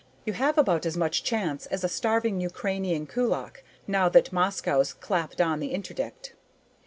You have about as much chance as a starving Ukrainian kulak now that Moscow's clapped on the interdict."